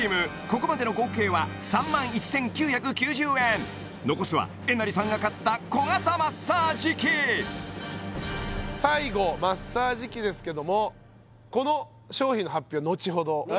ここまでの合計は３万１９９０円残すはえなりさんが買った小型マッサージ器最後マッサージ器ですけどもえー！？